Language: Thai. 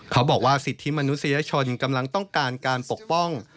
เขาบอกว่าสิทธิมนุษยชนกำลังต้องการการปกป้อง